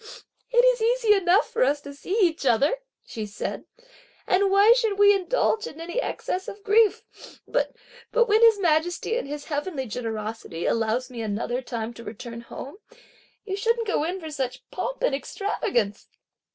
"It is easy enough for us to see each other," (she said,) "and why should we indulge in any excess of grief? But when his majesty in his heavenly generosity allows me another time to return home, you shouldn't go in for such pomp and extravagance."